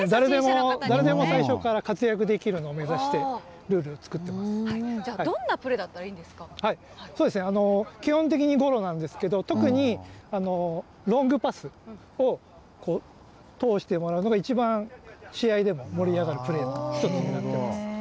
誰でも最初から活躍できるのを目指して、ルールを作っていまじゃあ、どんなプレーだったそうですね、基本的にゴロなんですけど、特にロングパスを通してもらうのが一番、試合でも盛り上がるプレーの一つになってます。